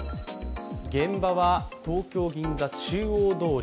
現場は東京・銀座、中央通り。